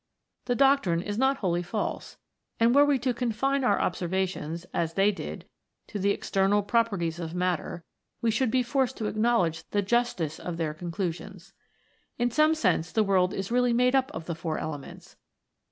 The doctrine is not wholly false, and THE FOUR ELEMENTS. 51 were we to confine our observations, as they did, to the external properties of matter, we should be forced to acknowledge the justice of their con clusions. In some sense the world is really made up of the four elements.